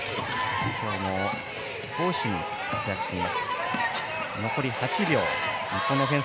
今日も攻守に活躍しています。